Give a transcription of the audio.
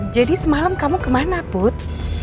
jadi semalam kamu kemana put